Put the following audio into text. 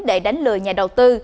để đánh lừa nhà đầu tư